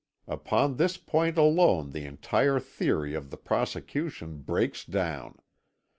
Upon this point alone the entire theory of the prosecution breaks down.